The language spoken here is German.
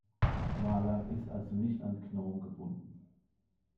Vala ist also nicht an Gnome gebunden.